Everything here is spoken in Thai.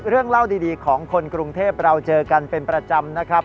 เรื่องเล่าดีของคนกรุงเทพเราเจอกันเป็นประจำนะครับ